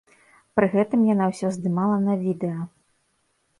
Пры гэтым яна ўсё здымала на відэа.